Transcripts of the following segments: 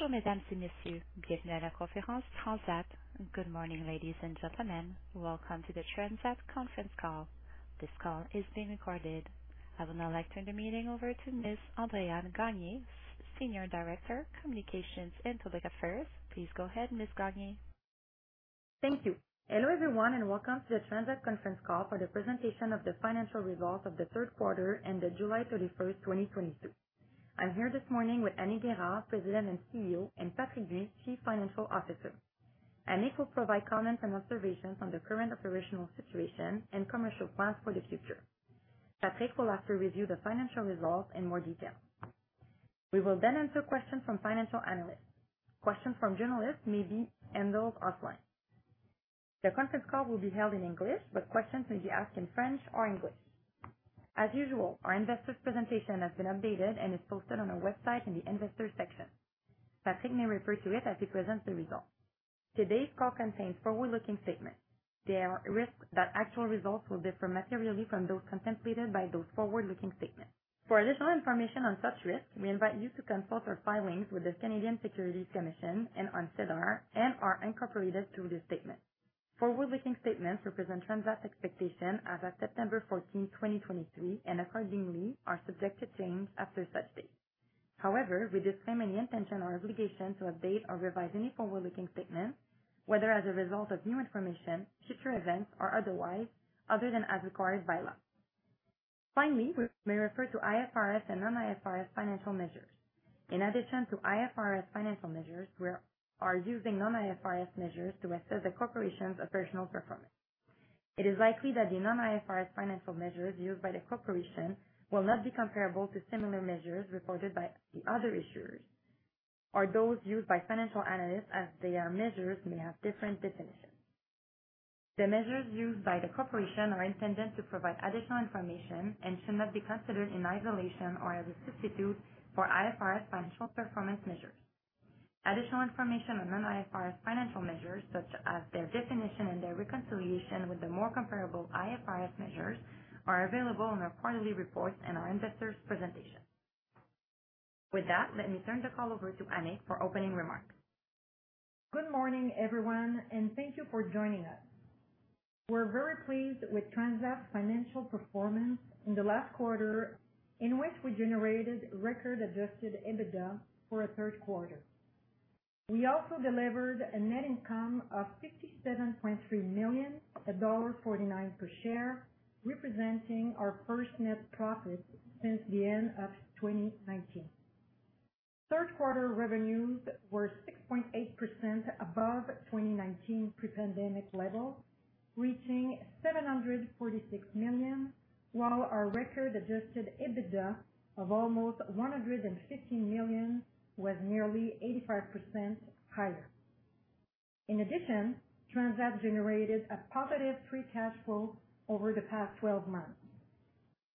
Bonjour, mesdames et messieurs, bienvenue à la conférence Transat. Good morning, ladies and gentlemen. Welcome to the Transat conference call. This call is being recorded. I would now like to turn the meeting over to Ms. Andréan Gagné, Senior Director, Public Affairs and Communications. Please go ahead, Ms. Gagné. Thank you. Hello, everyone, and welcome to the Transat conference call for the presentation of the financial results of the Q3 and the July 31, 2022. I'm here this morning with Annick Guérard, President and CEO, and Patrick Bui, Chief Financial Officer. Annick will provide comments and observations on the current operational situation and commercial plans for the future. Patrick will also review the financial results in more detail. We will then answer questions from financial analysts. Questions from journalists may be handled offline. The conference call will be held in English, but questions may be asked in French or English. As usual, our investors' presentation has been updated and is posted on our website in the Investors section. Patrick may refer to it as he presents the results. Today's call contains forward-looking statements. There are risks that actual results will differ materially from those contemplated by those forward-looking statements. For additional information on such risks, we invite you to consult our filings with the Canadian Securities Commission and on SEDAR, and are incorporated through this statement. Forward-looking statements represent Transat's expectation as of September 14, 2023, and accordingly are subject to change after such date. However, we disclaim any intention or obligation to update or revise any forward-looking statement, whether as a result of new information, future events, or otherwise, other than as required by law. Finally, we may refer to IFRS and non-IFRS financial measures. In addition to IFRS financial measures, we are using non-IFRS measures to assess the corporation's operational performance. It is likely that the non-IFRS financial measures used by the corporation will not be comparable to similar measures reported by the other issuers, or those used by financial analysts, as their measures may have different definitions. The measures used by the corporation are intended to provide additional information and should not be considered in isolation or as a substitute for IFRS financial performance measures. Additional information on non-IFRS financial measures, such as their definition and their reconciliation with the more comparable IFRS measures, are available in our quarterly reports and our investors' presentation. With that, let me turn the call over to Annick for opening remarks. Good morning, everyone, and thank you for joining us. We're very pleased with Transat's financial performance in the last quarter, in which we generated record Adjusted EBITDA for a Q3. We also delivered a net income of 57.3 million, dollar 1.49 per share, representing our first net profit since the end of 2019. Q3 revenues were 6.8% above 2019 pre-pandemic levels, reaching 746 million, while our record Adjusted EBITDA of almost 115 million was nearly 85% higher. In addition, Transat generated a positive free cash flow over the past 12 months.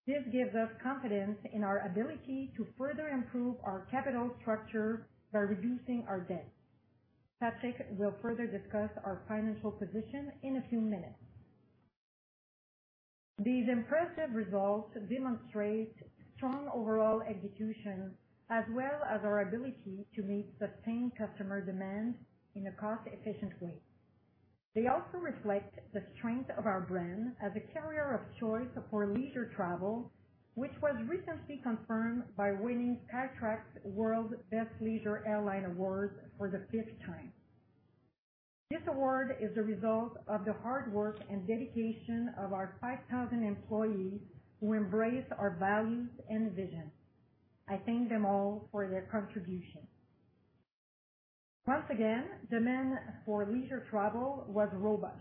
This gives us confidence in our ability to further improve our capital structure by reducing our debt. Patrick will further discuss our financial position in a few minutes. These impressive results demonstrate strong overall execution, as well as our ability to meet sustained customer demand in a cost-efficient way. They also reflect the strength of our brand as a carrier of choice for leisure travel, which was recently confirmed by winning Skytrax World's Best Leisure Airline award for the fifth time. This award is a result of the hard work and dedication of our 5,000 employees who embrace our values and vision. I thank them all for their contribution. Once again, demand for leisure travel was robust.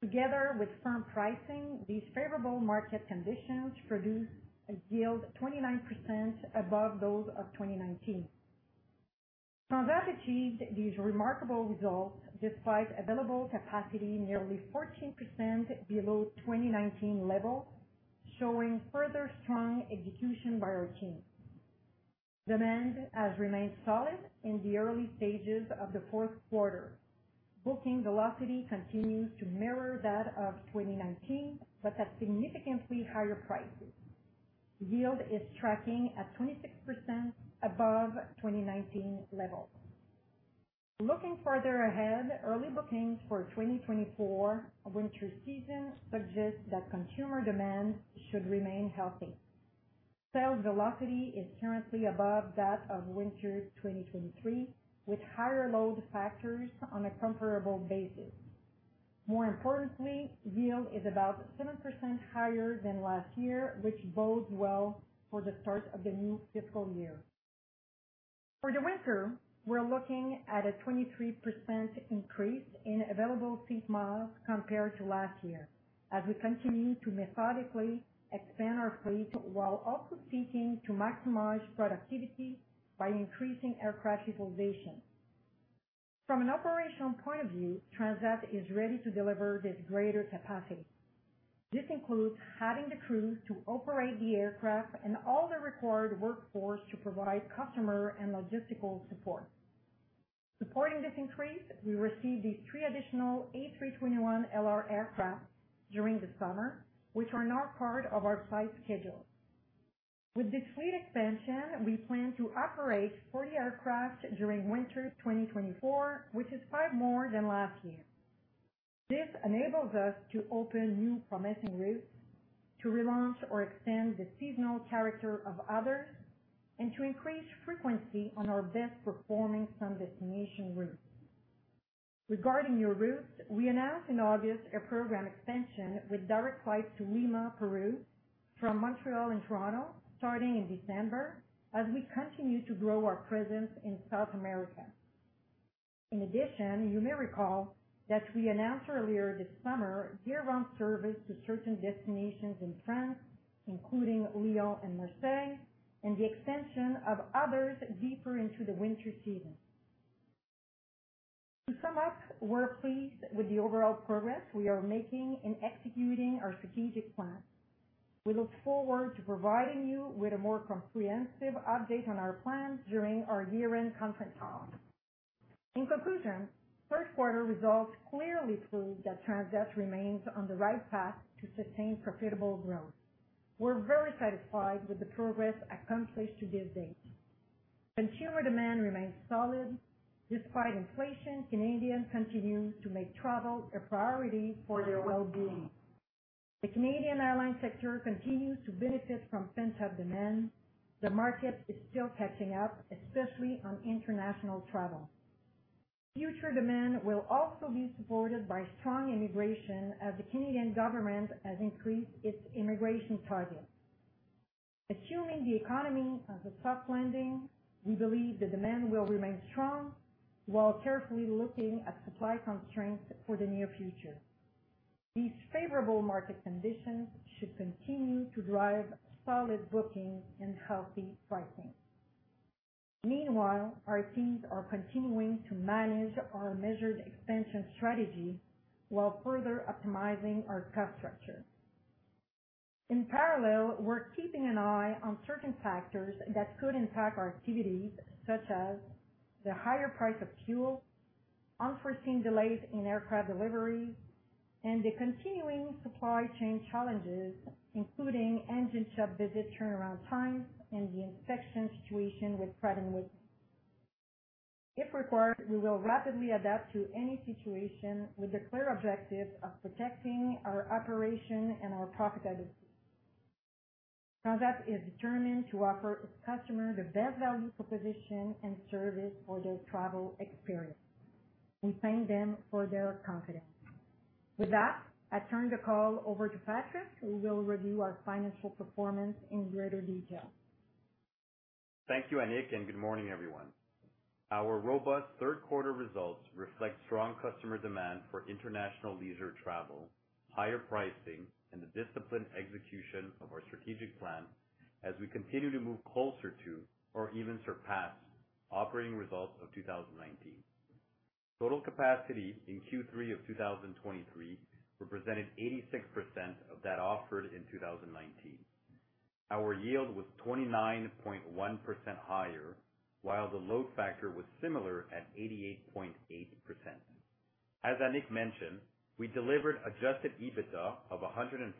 Together with strong pricing, these favorable market conditions produced a yield 29% above those of 2019. Transat achieved these remarkable results despite available capacity nearly 14% below 2019 levels, showing further strong execution by our team. Demand has remained solid in the early stages of the Q4. Booking velocity continues to mirror that of 2019, but at significantly higher prices. Yield is tracking at 26% above 2019 levels. Looking further ahead, early bookings for 2024 winter season suggest that consumer demand should remain healthy. Sales velocity is currently above that of winter 2023, with higher load factors on a comparable basis. More importantly, yield is about 7% higher than last year, which bodes well for the start of the new fiscal year. For the winter, we're looking at a 23% increase in available seat miles compared to last year, as we continue to methodically expand our fleet, while also seeking to maximize productivity by increasing aircraft utilization. From an operational point of view, Transat is ready to deliver this greater capacity. This includes having the crew to operate the aircraft and all the required workforce to provide customer and logistical support. Supporting this increase, we received these three additional A321LR aircraft during the summer, which are now part of our flight schedule. With this fleet expansion, we plan to operate 40 aircraft during winter 2024, which is 5 more than last year. This enables us to open new promising routes, to relaunch or extend the seasonal character of others, and to increase frequency on our best performing sun destination routes. Regarding new routes, we announced in August a program expansion with direct flights to Lima, Peru, from Montreal and Toronto, starting in December, as we continue to grow our presence in South America. In addition, you may recall that we announced earlier this summer year-round service to certain destinations in France, including Lyon and Marseille, and the extension of others deeper into the winter season. To sum up, we're pleased with the overall progress we are making in executing our strategic plan. We look forward to providing you with a more comprehensive update on our plan during our year-end conference call. In conclusion, Q3 results clearly prove that Transat remains on the right path to sustain profitable growth. We're very satisfied with the progress accomplished to this date. Consumer demand remains solid. Despite inflation, Canadians continue to make travel a priority for their well-being. The Canadian airline sector continues to benefit from pent-up demand. The market is still catching up, especially on international travel. Future demand will also be supported by strong immigration, as the Canadian government has increased its immigration targets. Assuming the economy has a soft landing, we believe the demand will remain strong while carefully looking at supply constraints for the near future. These favorable market conditions should continue to drive solid bookings and healthy pricing. Meanwhile, our teams are continuing to manage our measured expansion strategy while further optimizing our cost structure. In parallel, we're keeping an eye on certain factors that could impact our activities, such as the higher price of fuel, unforeseen delays in aircraft deliveries, and the continuing supply chain challenges, including engine shop visit turnaround times and the inspection situation with Pratt & Whitney. If required, we will rapidly adapt to any situation with the clear objective of protecting our operation and our profitability. Transat is determined to offer its customers the best value proposition and service for their travel experience. We thank them for their confidence. With that, I turn the call over to Patrick, who will review our financial performance in greater detail. Thank you, Annick, and good morning, everyone. Our robust Q3 results reflect strong customer demand for international leisure travel, higher pricing, and the disciplined execution of our strategic plan as we continue to move closer to or even surpass operating results of 2019. Total capacity in Q3 of 2023 represented 86% of that offered in 2019. Our yield was 29.1% higher, while the load factor was similar at 88.8%. As Annick mentioned, we delivered adjusted EBITDA of 114.8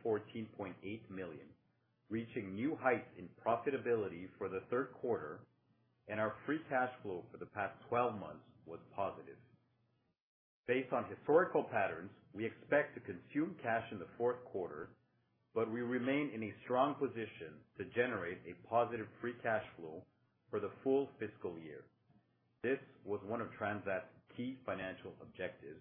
million, reaching new heights in profitability for the Q3, and our free cash flow for the past twelve months was positive. Based on historical patterns, we expect to consume cash in the Q4, but we remain in a strong position to generate a positive free cash flow for the full fiscal year. This was one of Transat's key financial objectives,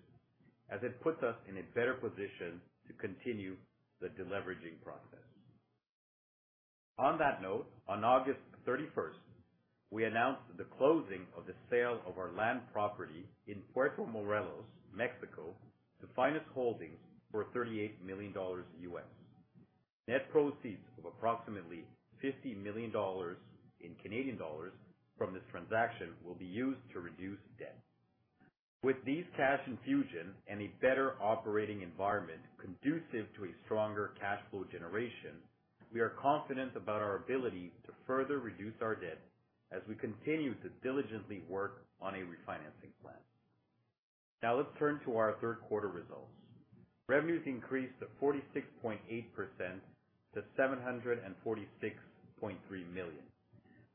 as it puts us in a better position to continue the deleveraging process. On that note, on August 31, we announced the closing of the sale of our land property in Puerto Morelos, Mexico, to Finas Holdings for $38 million. Net proceeds of approximately 50 million dollars from this transaction will be used to reduce debt. With these cash infusion and a better operating environment conducive to a stronger cash flow generation, we are confident about our ability to further reduce our debt as we continue to diligently work on a refinancing plan. Now, let's turn to our Q3 results. Revenues increased 46.8% to 746.3 million.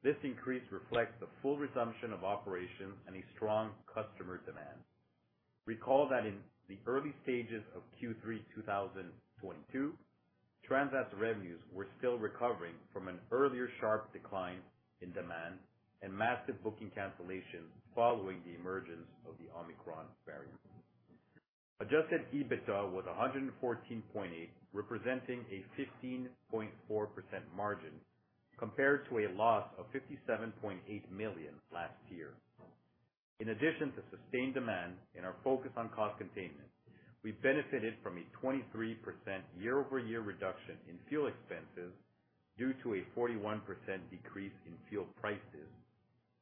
This increase reflects the full resumption of operations and a strong customer demand. Recall that in the early stages of Q3 2022, Transat's revenues were still recovering from an earlier sharp decline in demand and massive booking cancellations following the emergence of the Omicron variant. Adjusted EBITDA was 114.8 million, representing a 15.4% margin, compared to a loss of 57.8 million last year. In addition to sustained demand and our focus on cost containment, we benefited from a 23% year-over-year reduction in fuel expenses due to a 41% decrease in fuel prices,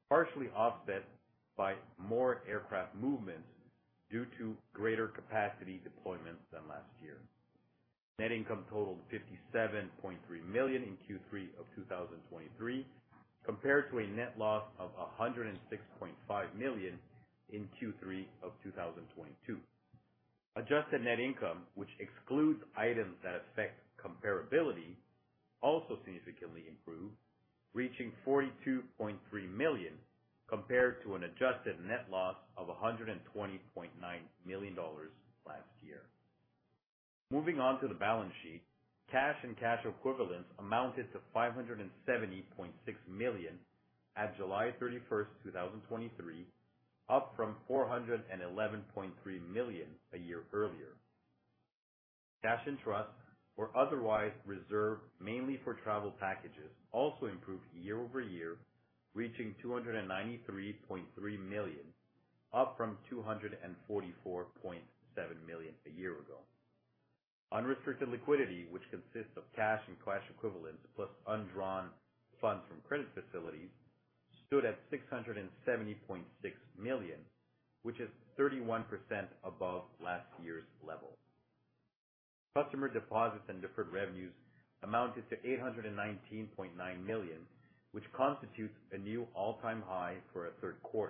partially offset by more aircraft movements due to greater capacity deployments than last year. Net income totaled 57.3 million in Q3 of 2023, compared to a net loss of 106.5 million in Q3 of 2022. Adjusted net income, which excludes items that affect comparability, also significantly improved, reaching 42.3 million, compared to an adjusted net loss of 120.9 million dollars last year. Moving on to the balance sheet. Cash and cash equivalents amounted to 570.6 million at July 31, 2023, up from 411.3 million a year earlier. Cash and trust were otherwise reserved mainly for travel packages, also improved year-over-year, reaching 293.3 million, up from 244.7 million a year ago. Unrestricted liquidity, which consists of cash and cash equivalents, plus undrawn funds from credit facilities, stood at 670.6 million, which is 31% above last year's level. Customer deposits and deferred revenues amounted to 819.9 million, which constitutes a new all-time high for a Q3.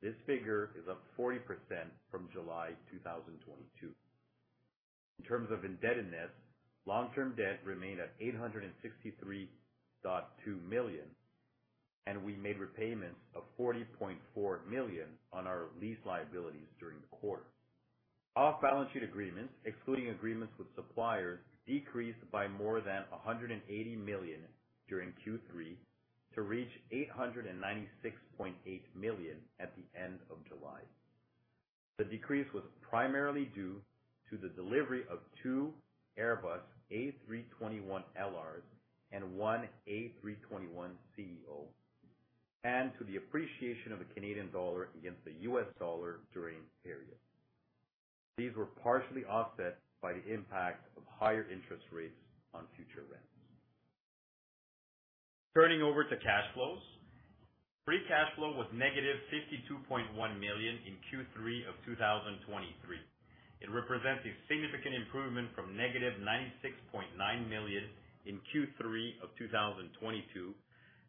This figure is up 40% from July 2022. In terms of indebtedness, long-term debt remained at 863.2 million, and we made repayments of 40.4 million on our lease liabilities during the quarter. Off-balance sheet agreements, excluding agreements with suppliers, decreased by more than 180 million during Q3, to reach 896.8 million at the end of July. The decrease was primarily due to the delivery of two Airbus A321LRs and one A321CEO, and to the appreciation of the Canadian dollar against the U.S. dollar during the period. These were partially offset by the impact of higher interest rates on future rents. Turning over to cash flows. Free cash flow was -52.1 million in Q3 of 2023. It represents a significant improvement from -96.9 million in Q3 of 2022,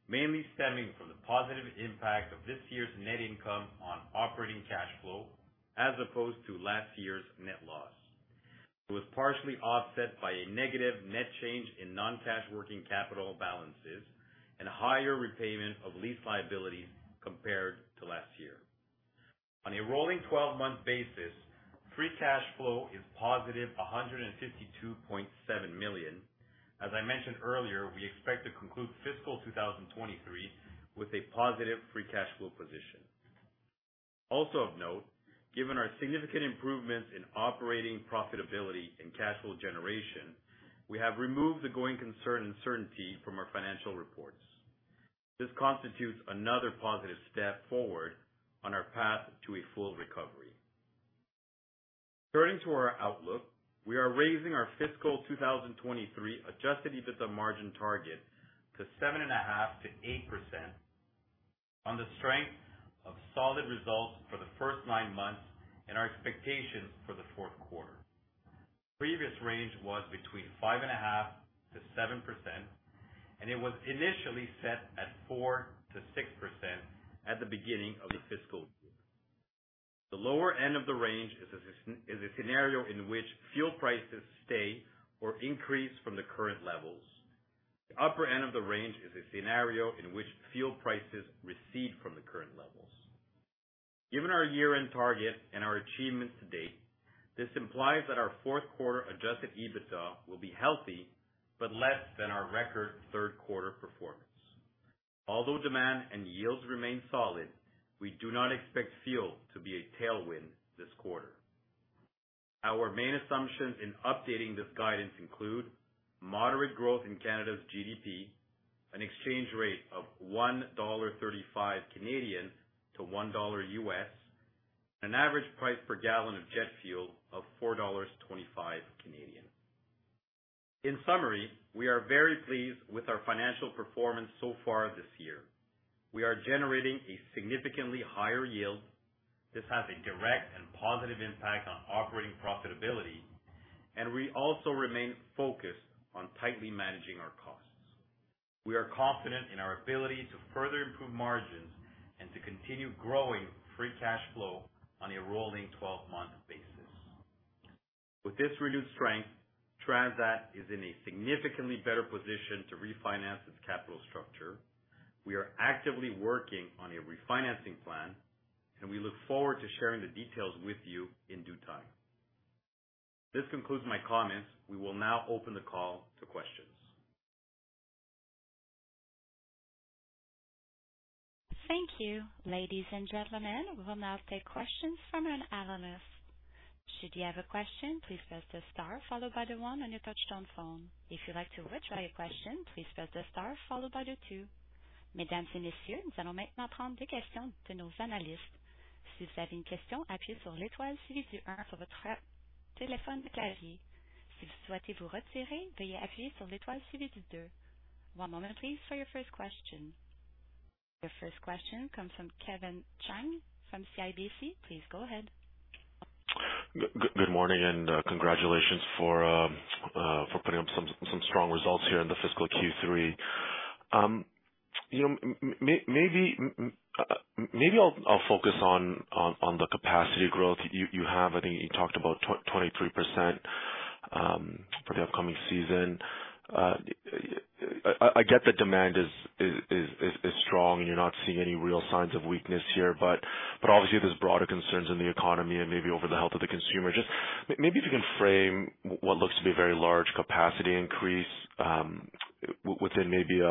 mainly stemming from the positive impact of this year's net income on operating cash flow, as opposed to last year's net loss. It was partially offset by a negative net change in non-cash working capital balances and higher repayment of lease liabilities compared to last year. On a rolling twelve-month basis, Free Cash Flow is positive 152.7 million. As I mentioned earlier, we expect to conclude fiscal 2023 with a positive Free Cash Flow position. Also of note, given our significant improvements in operating profitability and cash flow generation, we have removed the going concern uncertainty from our financial reports. This constitutes another positive step forward on our path to a full recovery. Turning to our outlook, we are raising our fiscal 2023 Adjusted EBITDA margin target to 7.5%-8% on the strength of solid results for the first nine months and our expectations for the Q4. Previous range was between 5.5%-7%, and it was initially set at 4%-6% at the beginning of the fiscal year. The lower end of the range is a scenario in which fuel prices stay or increase from the current levels. The upper end of the range is a scenario in which fuel prices recede from the current levels. Given our year-end target and our achievements to date, this implies that our Q4 Adjusted EBITDA will be healthy, but less than our record Q3 performance. Although demand and yields remain solid, we do not expect fuel to be a tailwind this quarter. Our main assumptions in updating this guidance include moderate growth in Canada's GDP, an exchange rate of 1.35 Canadian dollars to $1, an average price per gallon of jet fuel of 4.25 Canadian dollars. In summary, we are very pleased with our financial performance so far this year. We are generating a significantly higher yield. This has a direct and positive impact on operating profitability, and we also remain focused on tightly managing our costs. We are confident in our ability to further improve margins and to continue growing free cash flow on a rolling 12-month basis. With this reduced strength, Transat is in a significantly better position to refinance its capital structure. We are actively working on a refinancing plan, and we look forward to sharing the details with you in due time. This concludes my comments. We will now open the call to questions. Thank you. Ladies and gentlemen, we will now take questions from our analysts. Should you have a question, please press the star followed by the one on your touchtone phone. If you'd like to withdraw your question, please press the star followed by the two. One moment, please, for your first question. Your first question comes from Kevin Chiang from CIBC. Please go ahead. Good morning, and congratulations for putting up some strong results here in the fiscal Q3. You know, maybe I'll focus on the capacity growth. You have, I think you talked about 23% for the upcoming season. I get that demand is strong, and you're not seeing any real signs of weakness here, but obviously, there's broader concerns in the economy and maybe over the health of the consumer. Just maybe if you can frame what looks to be a very large capacity increase, within maybe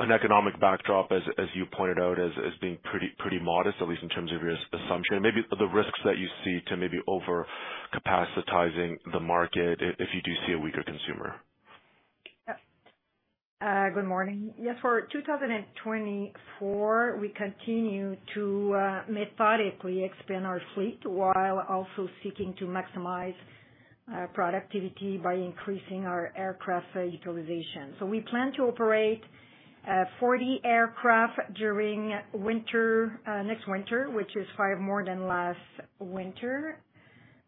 an economic backdrop, as you pointed out, as being pretty, pretty modest, at least in terms of your assumption, and maybe the risks that you see to maybe over capacitizing the market if you do see a weaker consumer. Good morning. Yes, for 2024, we continue to methodically expand our fleet, while also seeking to maximize productivity by increasing our aircraft utilization. So we plan to operate 40 aircraft during next winter, which is 5 more than last winter.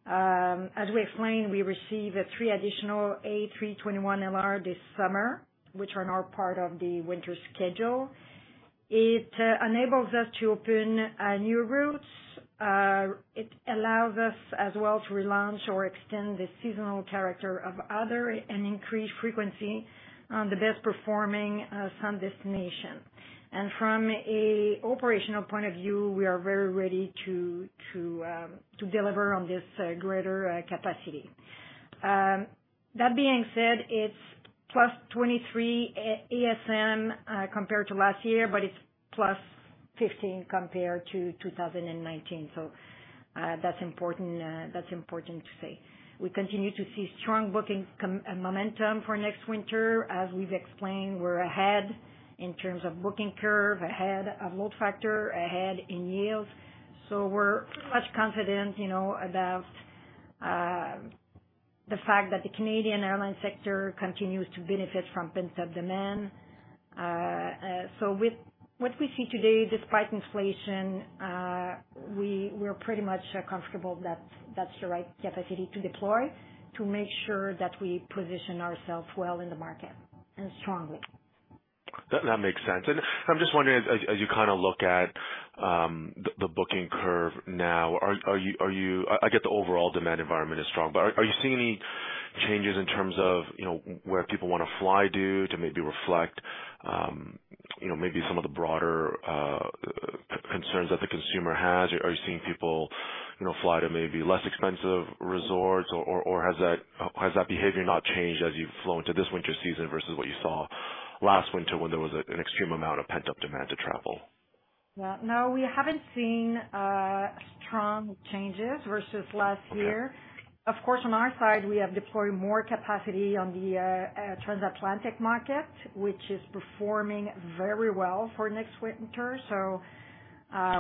As we explained, we received 3 additional A321LR this summer, which are now part of the winter schedule. It enables us to open new routes. It allows us as well to relaunch or extend the seasonal character of other and increase frequency on the best performing sun destination. And from an operational point of view, we are very ready to deliver on this greater capacity. That being said, it's +23 ASM compared to last year, but it's +15 compared to 2019. So, that's important, that's important to say. We continue to see strong booking momentum for next winter. As we've explained, we're ahead in terms of booking curve, ahead of load factor, ahead in yields, so we're pretty much confident, you know, about the fact that the Canadian airline sector continues to benefit from pent-up demand. So with what we see today, despite inflation, we, we're pretty much comfortable that that's the right capacity to deploy to make sure that we position ourselves well in the market and strongly. That makes sense. And I'm just wondering, as you kind of look at the booking curve now, are you... I get the overall demand environment is strong, but are you seeing any changes in terms of, you know, where people wanna fly to, to maybe reflect, you know, maybe some of the broader concerns that the consumer has? Are you seeing people, you know, fly to maybe less expensive resorts, or has that behavior not changed as you've flown to this winter season versus what you saw last winter when there was an extreme amount of pent-up demand to travel? Well, no, we haven't seen strong changes versus last year. Okay. Of course, on our side, we have deployed more capacity on the transatlantic market, which is performing very well for next winter. So,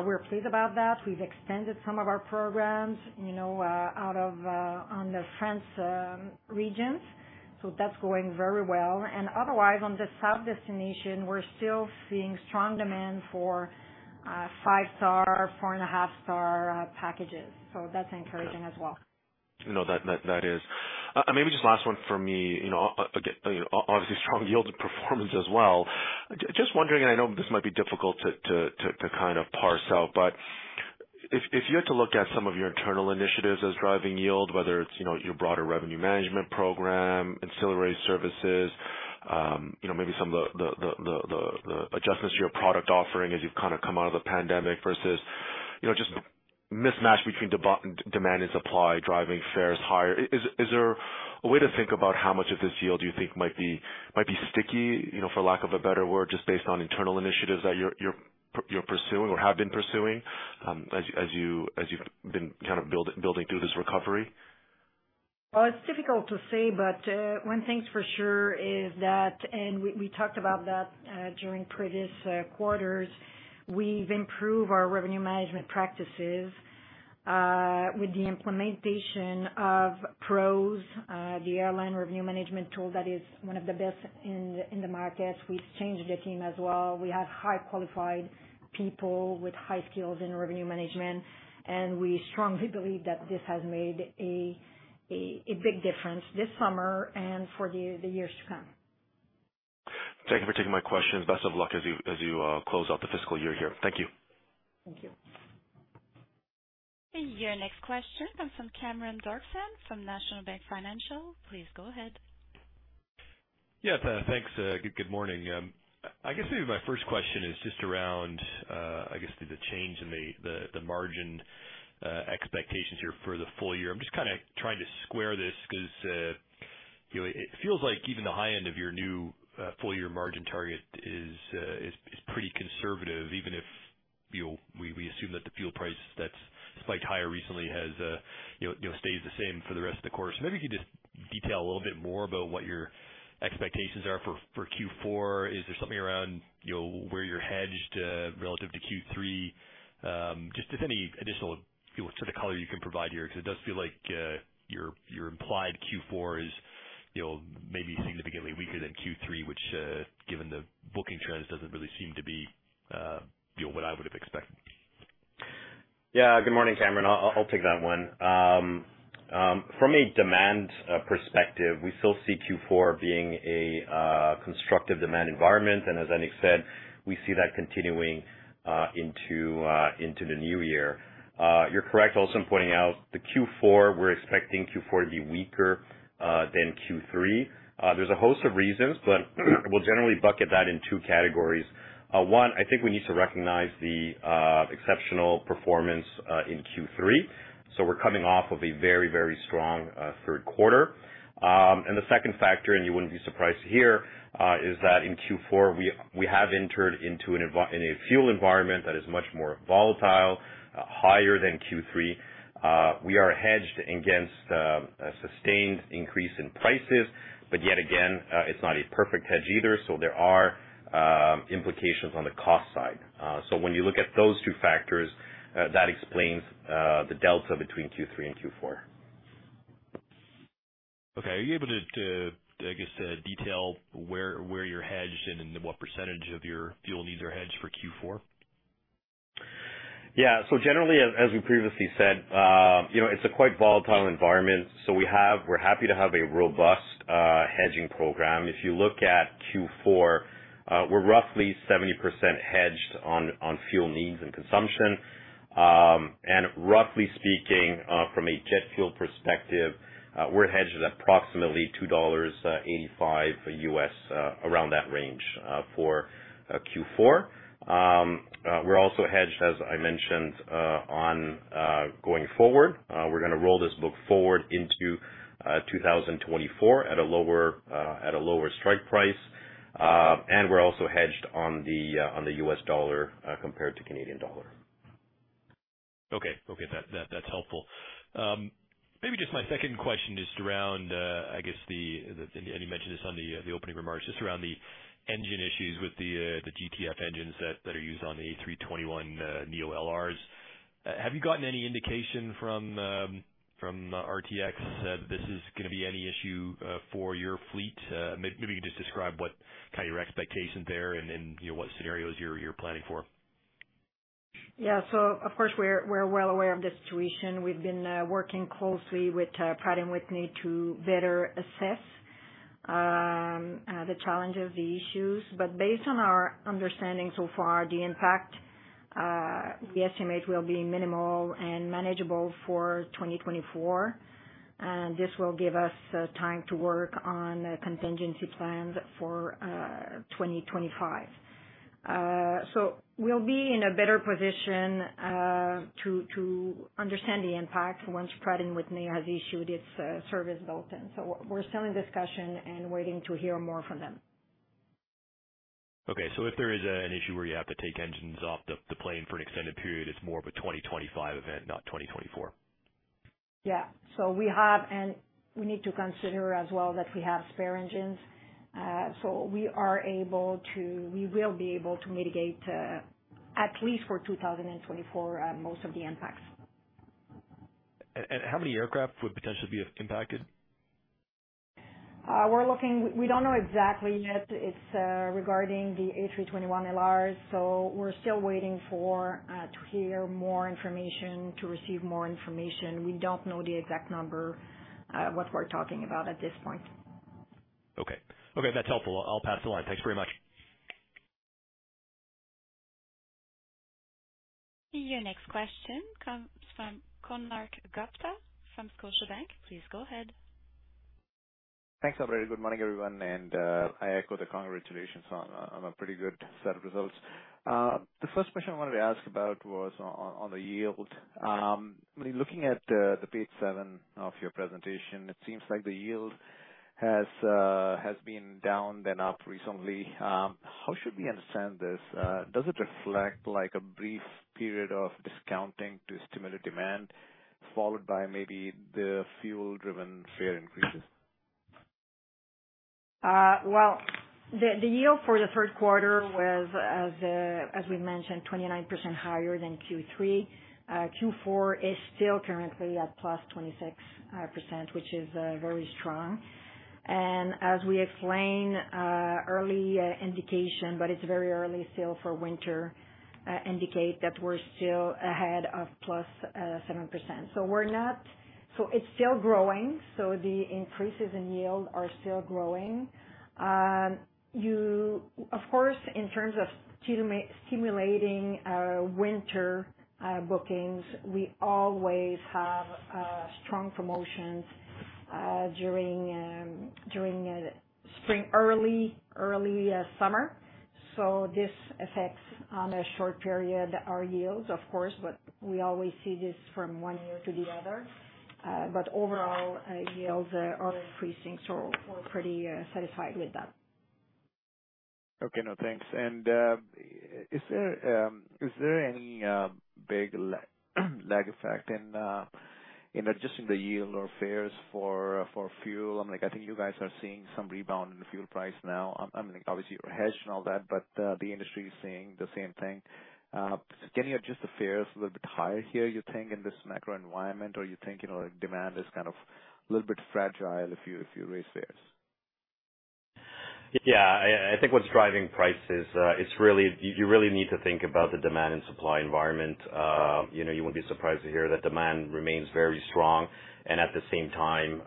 we're pleased about that. We've extended some of our programs, you know, out of Ontario on the French regions. So that's going very well. And otherwise, on the southern destinations, we're still seeing strong demand for five-star, four-and-a-half-star packages. So that's encouraging as well. No, that is. Maybe just last one for me, you know, again, you know, obviously strong yield performance as well. Just wondering, and I know this might be difficult to kind of parse out, but if you had to look at some of your internal initiatives as driving yield, whether it's, you know, your broader revenue management program, ancillary services, you know, maybe some of the adjustments to your product offering as you've kind of come out of the pandemic versus, you know, just the mismatch between demand and supply, driving fares higher. Is there a way to think about how much of this yield you think might be sticky, you know, for lack of a better word, just based on internal initiatives that you're pursuing or have been pursuing, as you've been kind of building through this recovery? Well, it's difficult to say, but one thing's for sure is that, and we talked about that during previous quarters, we've improved our revenue management practices with the implementation of PROS, the airline revenue management tool that is one of the best in the market. We've changed the team as well. We have high qualified people with high skills in revenue management, and we strongly believe that this has made a big difference this summer and for the years to come. Thank you for taking my questions. Best of luck as you close out the fiscal year here. Thank you. Thank you. Your next question comes from Cameron Doerksen, from National Bank Financial. Please go ahead. Yeah, thanks. Good morning. I guess maybe my first question is just around, I guess, the change in the margin expectations here for the full year. I'm just kind of trying to square this because, you know, it feels like even the high end of your new full year margin target is pretty conservative, even if, you know, we assume that the fuel price that's spiked higher recently has, you know, stays the same for the rest of the course. Maybe you could just detail a little bit more about what your expectations are for Q4. Is there something around, you know, where you're hedged relative to Q3? Just if any additional, you know, sort of color you can provide here, because it does feel like your implied Q4 is, you know, maybe significantly weaker than Q3, which, given the booking trends, doesn't really seem to be, you know, what I would have expected. Yeah. Good morning, Cameron. I'll take that one. From a demand perspective, we still see Q4 being a constructive demand environment, and as Annick said, we see that continuing into the new year. You're correct also in pointing out that Q4, we're expecting Q4 to be weaker than Q3. There's a host of reasons, but we'll generally bucket that in two categories. One, I think we need to recognize the exceptional performance in Q3, so we're coming off of a very, very strong Q3. And the second factor, and you wouldn't be surprised to hear, is that in Q4, we have entered into a fuel environment that is much more volatile, higher than Q3. We are hedged against a sustained increase in prices, but yet again, it's not a perfect hedge either, so there are implications on the cost side. So when you look at those two factors, that explains the delta between Q3 and Q4. Okay. Are you able to, I guess, detail where you're hedged and what percentage of your fuel needs are hedged for Q4? Yeah. So generally, as we previously said, you know, it's a quite volatile environment, so we have, we're happy to have a robust hedging program. If you look at Q4, we're roughly 70% hedged on fuel needs and consumption. And roughly speaking, from a jet fuel perspective, we're hedged at approximately $2.85, around that range, for Q4. We're also hedged, as I mentioned, on going forward. We're going to roll this book forward into 2024 at a lower strike price. And we're also hedged on the U.S. dollar compared to Canadian dollar. Okay. Okay, that's helpful. Maybe just my second question just around, I guess, and you mentioned this on the opening remarks, just around the engine issues with the GTF engines that are used on the A321neo LRs. Have you gotten any indication from RTX that this is going to be any issue for your fleet? Maybe you can just describe what kind of your expectations there, and then, you know, what scenarios you're planning for. Yeah. So of course, we're, we're well aware of the situation. We've been working closely with Pratt & Whitney to better assess the challenges, the issues. But based on our understanding so far, the impact we estimate will be minimal and manageable for 2024, and this will give us the time to work on contingency plans for 2025. So we'll be in a better position to understand the impact once Pratt & Whitney has issued its service bulletin. So we're still in discussion and waiting to hear more from them. Okay. So if there is an issue where you have to take engines off the plane for an extended period, it's more of a 2025 event, not 2024? Yeah. So we have, and we need to consider as well that we have spare engines. So we are able to... We will be able to mitigate, at least for 2024, most of the impacts. How many aircraft would potentially be impacted? We're looking... We don't know exactly yet. It's regarding the A321LRs, so we're still waiting for to hear more information, to receive more information. We don't know the exact number, what we're talking about at this point. Okay. Okay, that's helpful. I'll pass the line. Thanks very much. Your next question comes from Konark Gupta from Scotiabank. Please go ahead. Thanks, operator. Good morning, everyone, and I echo the congratulations on a pretty good set of results. The first question I wanted to ask about was on the yield. When looking at the page 7 of your presentation, it seems like the yield has been down then up recently. How should we understand this? Does it reflect like a brief period of discounting to stimulate demand, followed by maybe the fuel-driven fare increases? Well, the yield for the Q3 was, as we mentioned, 29% higher than Q3. Q4 is still currently at +26%, which is very strong. And as we explained, early indication, but it's very early still for winter, indicate that we're still ahead of +7%. So it's still growing, so the increases in yield are still growing. Of course, in terms of stimulating winter bookings, we always have strong promotions during spring, early summer. So this affects, on a short period, our yields, of course, but we always see this from one year to the other. But overall, yields are increasing, so we're pretty satisfied with that. Okay, now, thanks. And, is there any big lag effect in adjusting the yield or fares for fuel? I mean, I think you guys are seeing some rebound in the fuel price now. I mean, obviously, you're hedged and all that, but the industry is seeing the same thing. Can you adjust the fares a little bit higher here, you think, in this macro environment? Or you think, you know, demand is kind of a little bit fragile if you raise fares? ... Yeah, I think what's driving prices, it's really, you really need to think about the demand and supply environment. You know, you won't be surprised to hear that demand remains very strong, and at the same time,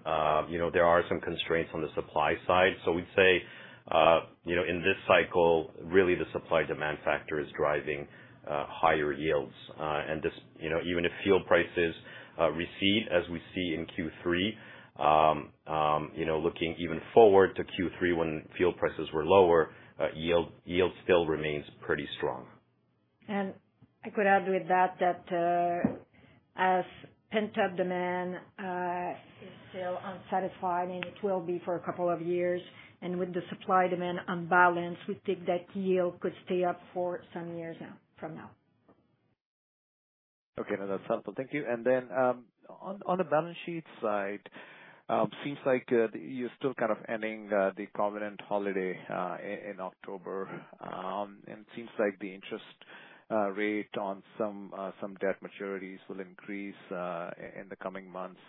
you know, there are some constraints on the supply side. So we'd say, you know, in this cycle, really the supply-demand factor is driving higher yields. And this, you know, even if fuel prices recede, as we see in Q3, you know, looking even forward to Q3 when fuel prices were lower, yield still remains pretty strong. I could add with that, that as pent-up demand is still unsatisfied, and it will be for a couple of years, and with the supply-demand on balance, we think that yield could stay up for some years now, from now. Okay. No, that's helpful. Thank you. And then, on the balance sheet side, seems like you're still kind of ending the covenant holiday in October. And it seems like the interest rate on some debt maturities will increase in the coming months.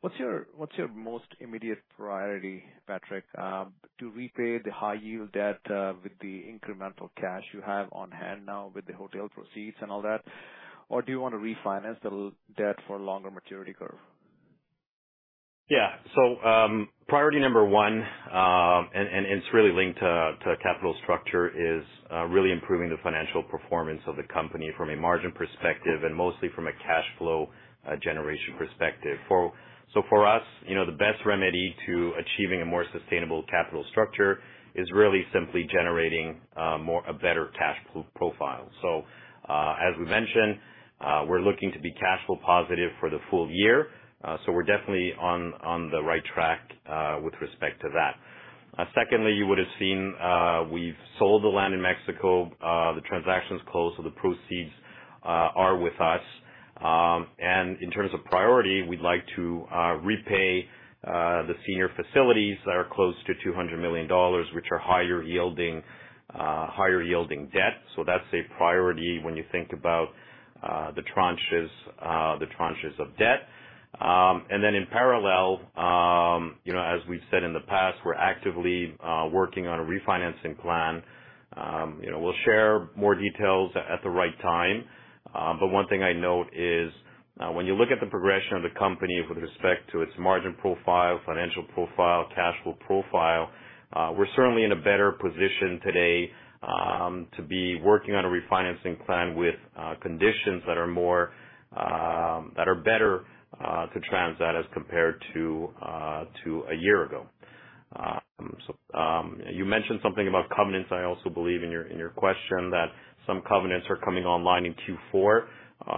What's your most immediate priority, Patrick, to repay the high yield debt with the incremental cash you have on hand now with the hotel proceeds and all that? Or do you want to refinance the debt for longer maturity curve? Yeah. So, priority number one, and it's really linked to capital structure, is really improving the financial performance of the company from a margin perspective, and mostly from a cash flow generation perspective. So for us, you know, the best remedy to achieving a more sustainable capital structure is really simply generating a better cash flow profile. So, as we mentioned, we're looking to be cash flow positive for the full year. So we're definitely on the right track with respect to that. Secondly, you would have seen, we've sold the land in Mexico. The transaction's closed, so the proceeds are with us. And in terms of priority, we'd like to repay the senior facilities that are close to 200 million dollars, which are higher yielding, higher yielding debt. So that's a priority when you think about the tranches, the tranches of debt. And then in parallel, you know, as we've said in the past, we're actively working on a refinancing plan. You know, we'll share more details at the right time, but one thing I note is when you look at the progression of the company with respect to its margin profile, financial profile, cash flow profile, we're certainly in a better position today to be working on a refinancing plan with conditions that are more, that are better to transact as compared to, to a year ago. So, you mentioned something about covenants. I also believe in your question that some covenants are coming online in Q4.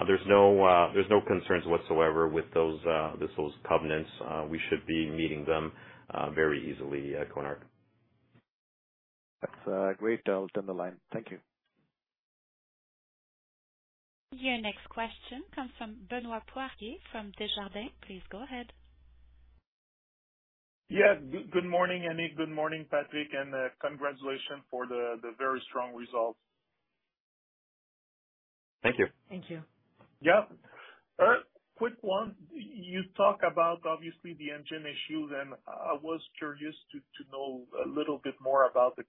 There's no concerns whatsoever with those covenants. We should be meeting them very easily, Konark. That's great. I'll turn the line. Thank you. Your next question comes from Benoit Poirier, from Desjardins. Please go ahead. Yeah. Good morning, Annick. Good morning, Patrick, and congratulations for the very strong results. Thank you. Thank you. Yeah. Quick one. You talk about, obviously, the engine issues, and I was curious to know a little bit more about the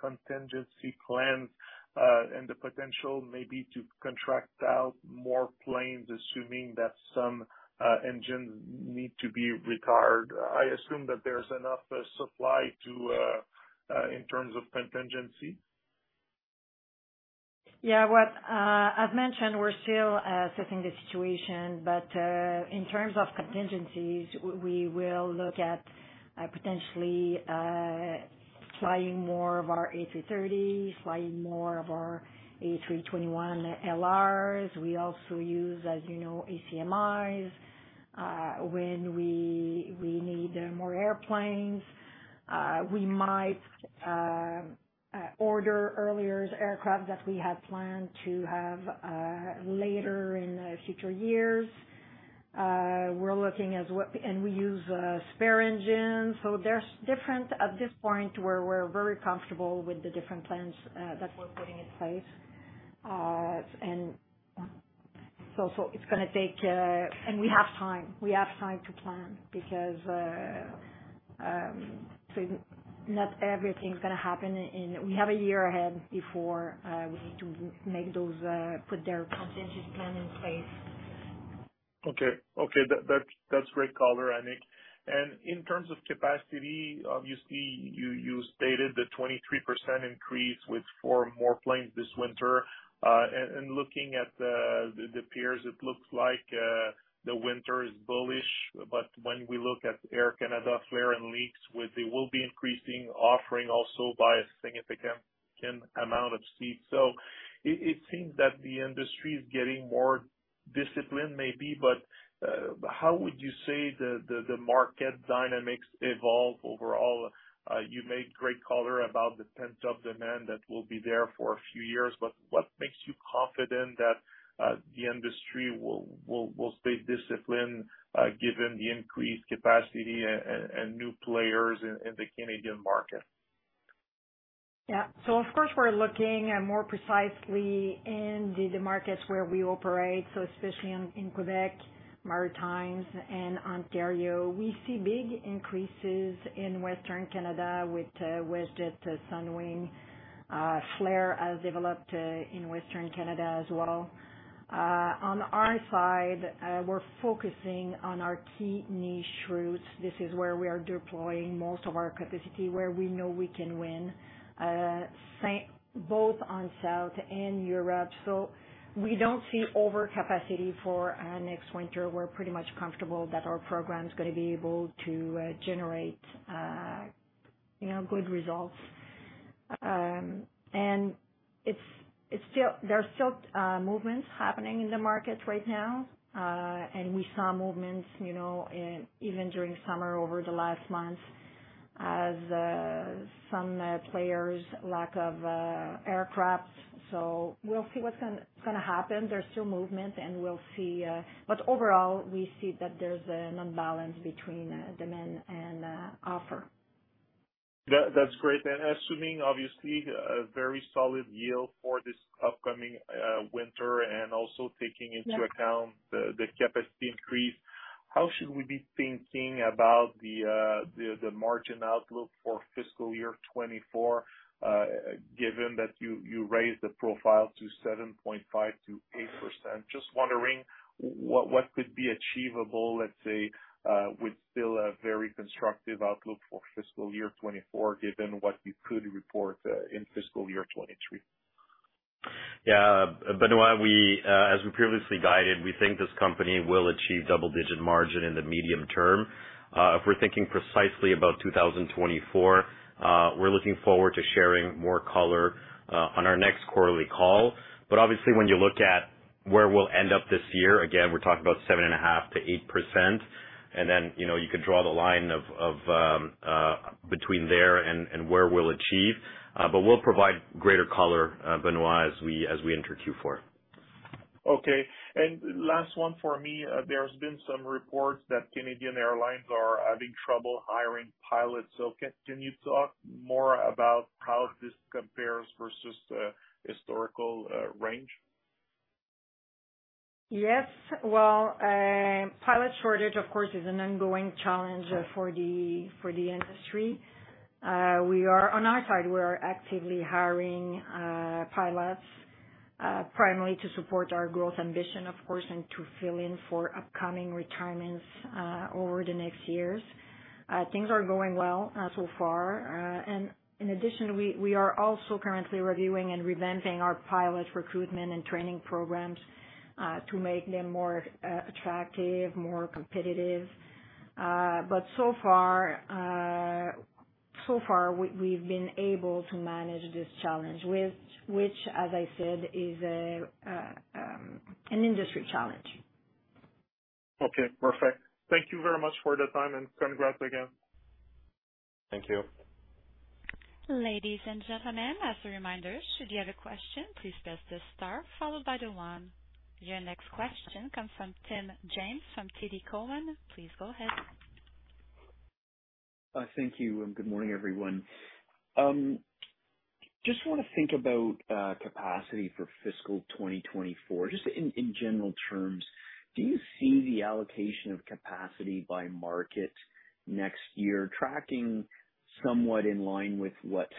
contingency plan, and the potential maybe to contract out more planes, assuming that some engines need to be retired. I assume that there's enough supply in terms of contingency. Yeah. What... I've mentioned, we're still assessing the situation, but in terms of contingencies, we will look at potentially flying more of our A330, flying more of our A321LRs. We also use, as you know, ACMIs. When we need more airplanes, we might order earlier aircraft that we had planned to have later in future years. We're looking as what. And we use spare engines, so there's different, at this point, where we're very comfortable with the different plans that we're putting in place. And so it's gonna take. And we have time, we have time to plan because so not everything's gonna happen in. We have a year ahead before we need to make those put their contingency plan in place. Okay, that's great color, Annick. And in terms of capacity, obviously, you stated the 23% increase with four more planes this winter. And looking at the peers, it looks like the winter is bullish, but when we look at Air Canada, Flair, and Lynx, which they will be increasing, offering also by a significant amount of seats. So it seems that the industry is getting more disciplined, maybe, but how would you say the market dynamics evolve overall? You made great color about the pent-up demand that will be there for a few years, but what makes you confident that the industry will stay disciplined given the increased capacity and new players in the Canadian market? ... Yeah. So of course, we're looking at more precisely in the markets where we operate, so especially in Quebec, Maritimes, and Ontario. We see big increases in Western Canada with WestJet, Sunwing, Flair has developed in Western Canada as well. On our side, we're focusing on our key niche routes. This is where we are deploying most of our capacity, where we know we can win, both on South and Europe. So we don't see overcapacity for next winter. We're pretty much comfortable that our program's gonna be able to generate, you know, good results. And it's still. There's still movements happening in the market right now. And we saw movements, you know, in even during summer over the last months as some players, lack of aircraft. So we'll see what's gonna happen. There's still movement, and we'll see. But overall, we see that there's an imbalance between demand and offer. That, that's great. And assuming obviously, a very solid yield for this upcoming winter and also taking into account- Yeah. The capacity increase, how should we be thinking about the margin outlook for fiscal year 2024, given that you raised the profile to 7.5%-8%? Just wondering what could be achievable, let's say, with still a very constructive outlook for fiscal year 2024, given what you could report in fiscal year 2023. Yeah, Benoit, we as we previously guided, we think this company will achieve double-digit margin in the medium term. If we're thinking precisely about 2024, we're looking forward to sharing more color on our next quarterly call. But obviously, when you look at where we'll end up this year, again, we're talking about 7.5%-8%, and then, you know, you could draw the line between there and where we'll achieve. But we'll provide greater color, Benoit, as we enter Q4. Okay. Last one for me. There's been some reports that Canadian airlines are having trouble hiring pilots. Can you talk more about how this compares versus historical range? Yes. Well, pilot shortage, of course, is an ongoing challenge for the industry. On our side, we are actively hiring pilots primarily to support our growth ambition, of course, and to fill in for upcoming retirements over the next years. Things are going well so far. In addition, we are also currently reviewing and revamping our pilot recruitment and training programs to make them more attractive, more competitive. But so far, we've been able to manage this challenge, which, as I said, is an industry challenge. Okay, perfect. Thank you very much for the time, and congrats again. Thank you. Ladies and gentlemen, as a reminder, should you have a question, please press the star followed by the one. Your next question comes from Tim James from TD Cowen. Please go ahead. Thank you, and good morning, everyone. Just wanna think about capacity for fiscal 2024. Just in general terms, do you see the allocation of capacity by market next year tracking somewhat in line with what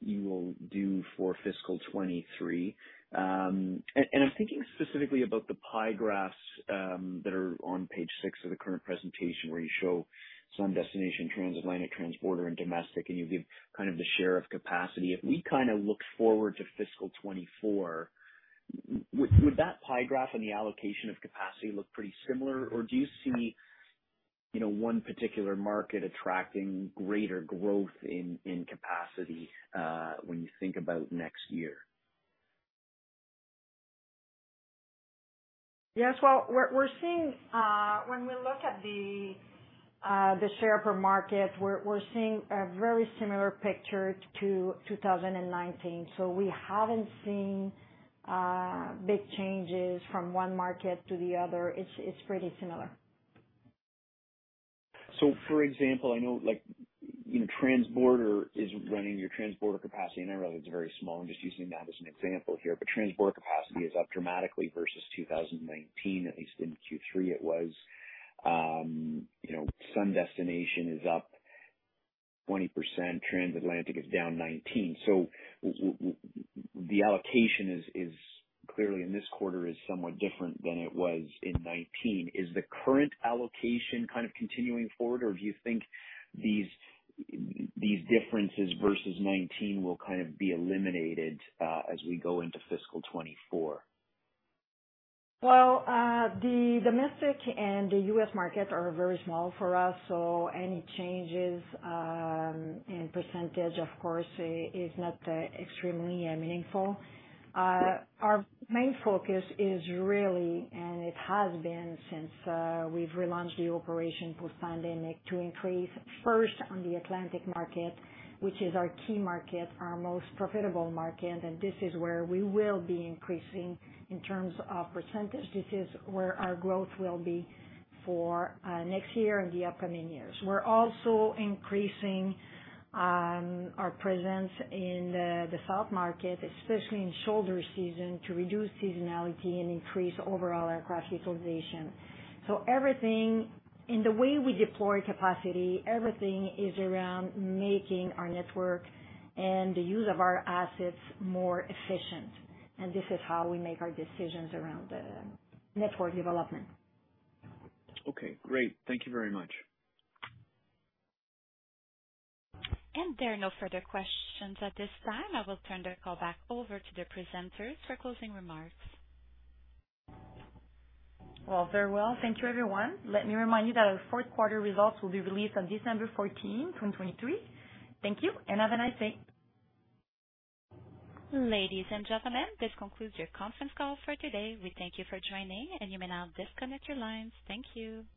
you will do for fiscal 2023? And I'm thinking specifically about the pie graphs that are on page 6 of the current presentation, where you show some destination, transatlantic, transborder, and domestic, and you give kind of the share of capacity. If we kind of look forward to fiscal 2024, would that pie graph and the allocation of capacity look pretty similar? Or do you see, you know, one particular market attracting greater growth in capacity when you think about next year? Yes. Well, we're seeing. When we look at the share per market, we're seeing a very similar picture to 2019. So we haven't seen big changes from one market to the other. It's pretty similar. So for example, I know, like, you know, transborder is running your transborder capacity, and I know it's very small. I'm just using that as an example here. But transborder capacity is up dramatically versus 2019, at least in Q3 it was. You know, sun destination is up 20%, transatlantic is down 19%. So the allocation is clearly in this quarter somewhat different than it was in 2019. Is the current allocation kind of continuing forward, or do you think these differences versus 2019 will kind of be eliminated as we go into fiscal 2024? Well, the domestic and the US market are very small for us, so any changes in percentage, of course, is not extremely meaningful. Our main focus is really, and it has been since we've relaunched the operation post-pandemic, to increase first on the Atlantic market, which is our key market, our most profitable market, and this is where we will be increasing in terms of percentage. This is where our growth will be for next year and the upcoming years. We're also increasing our presence in the South Market, especially in shoulder season, to reduce seasonality and increase overall aircraft utilization. So everything, in the way we deploy capacity, everything is around making our network and the use of our assets more efficient, and this is how we make our decisions around the network development. Okay, great. Thank you very much. There are no further questions at this time. I will turn the call back over to the presenters for closing remarks. Well, very well. Thank you, everyone. Let me remind you that our Q4 results will be released on December 14, 2023. Thank you, and have a nice day. Ladies and gentlemen, this concludes your conference call for today. We thank you for joining, and you may now disconnect your lines. Thank you.